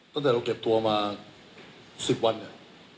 ตั้งแต่เราเก็บตัวมา๑๐วันเนี่ย